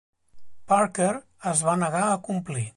Parker es va negar a complir.